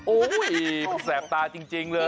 โอ้โหมันแสบตาจริงเลย